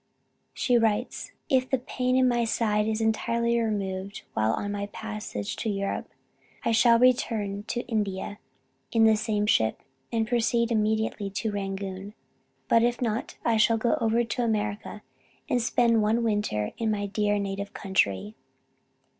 She writes: "If the pain in my side is entirely removed while on my passage to Europe, I shall return to India in the same ship, and proceed immediately to Rangoon. But if not I shall go over to America, and spend one winter in my dear native country.